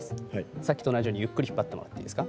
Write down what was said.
さっきと同じようにゆっくり引っ張ってもらっていいですか。